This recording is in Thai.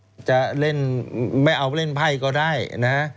จะเล่นไม่เอาเล่นไพ่ก็ได้นะ